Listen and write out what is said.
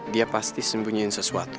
dia pasti sembunyiin sesuatu